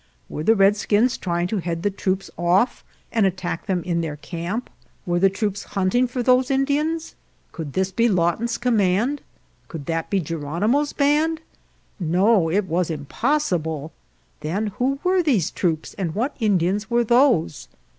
Were the redskins trying to head the troops off and attack them in their camp? Were the troops hunting for those Indians? Could this be Lawton's command? Could that be 168 SURRENDER OF GERONIMO Geronimo's band? No, it was impossible. Then who were these troops and what In dians were those?